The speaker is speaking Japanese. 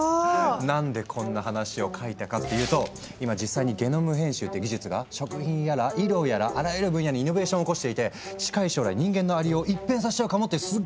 何でこんな話を描いたかっていうと今実際にゲノム編集っていう技術が食品やら医療やらあらゆる分野にイノベーションを起こしていて近い将来人間のありよう一変させちゃうかもっていうすっごい話。